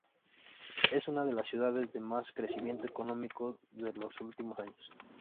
Es una de las ciudades de más crecimiento económico de los últimos años.